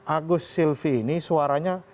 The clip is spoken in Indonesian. agus silvi ini suaranya